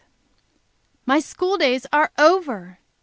My school days are over!